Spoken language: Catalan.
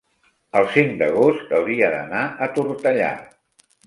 el cinc d'agost hauria d'anar a Tortellà.